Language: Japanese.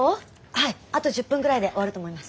はいあと１０分ぐらいで終わると思います。